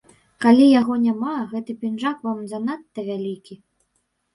Калі яго няма, гэты пінжак вам занадта вялікі.